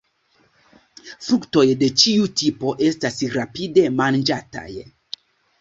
Fruktoj de ĉiu tipo estas rapide manĝataj.